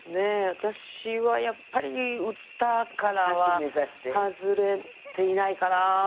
私はやっぱり歌からは外れていないかな。